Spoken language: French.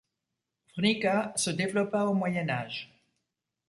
Vrhnika se développa au Moyen Âge.